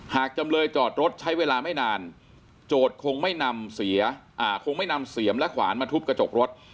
หากจำเลยจอดรถใช้เวลาไม่นานโจทย์คงไม่นำเสี่ยมและขวานมาทุบกระจกรถ